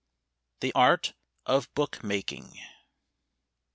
THE ART OF BOOK MAKING.